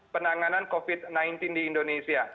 penanganan covid sembilan belas di indonesia